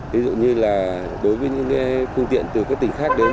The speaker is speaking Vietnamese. ví dụ như là đối với những phương tiện từ các tỉnh khác đến